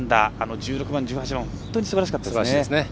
１６番、１８番は本当にすばらしかったですね。